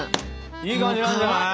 いい感じなんじゃない？